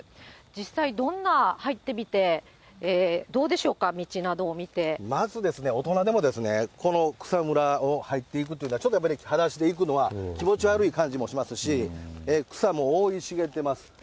実際、どんな、入ってみてどうでまずですね、大人でもこの草むらを入っていくというのは、ちょっとやっぱり、はだしで行くのは気持ち悪い感じもしますし、草もう生い茂ってます。